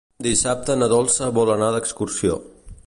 Dissabte na Dolça vol anar d'excursió.